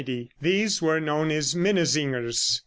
These were known as minnesingers.